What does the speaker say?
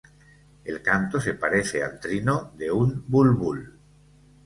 El canto se parece al trino de un bulbul.